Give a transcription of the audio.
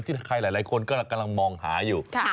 ที่ใครหลายคนกำลังมองหาอยู่